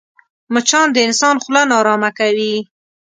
مچان د انسان خوله ناارامه کوي